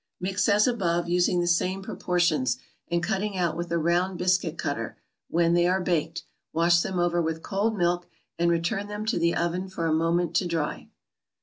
= Mix as above, using the same proportions, and cutting out with a round biscuit cutter; when they are baked, wash them over with cold milk, and return them to the oven for a moment to dry.